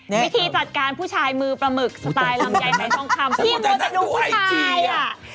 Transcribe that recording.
วิธีจัดการผู้ชายมือประมึกสไตล์ลำไยไหนต้องทำ